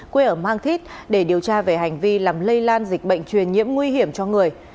quê ở mang thít để điều tra về hành vi làm lây lan dịch bệnh truyền nhiễm nguy hiểm cho người